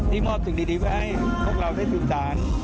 ที่มอบสิ่งดีไว้ให้พวกเราได้สืบสาร